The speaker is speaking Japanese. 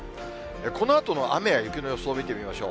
このあとの雨や雪の予想を見てみましょう。